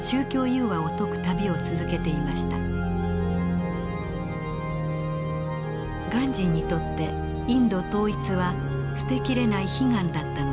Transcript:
ガンジーにとってインド統一は捨てきれない悲願だったのです。